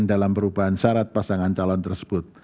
dalam perubahan syarat pasangan calon tersebut